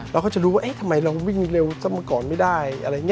เราก็จะรู้ว่าทำไมเราวิ่งเร็วซ่ำมาก่อนไม่ได้